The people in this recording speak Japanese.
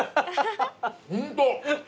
ホント！